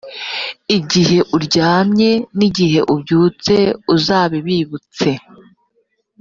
igihe uryamye n’igihe ubyutse uzabibibutse